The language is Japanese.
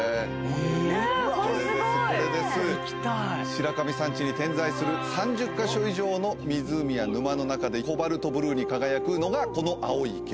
白神山地に点在する３０カ所以上の湖や沼の中でコバルトブルーに輝くのがこの青い池。